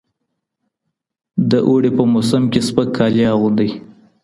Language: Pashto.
د اوړي په موسم کي سپک کالي اغوندئ.